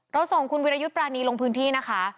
ส่งคุณวิรยุทธ์ปรานีลงพื้นที่นะคะ